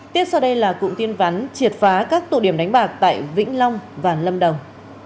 tiếp sau đây là cụm tin vắn triệt phá các tụ điểm đánh bạc tại vĩnh long và lâm đồng